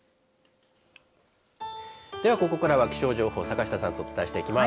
では、ここからは気象情報を坂下さんとお伝えしていきます。